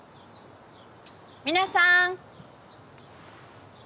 ・皆さん。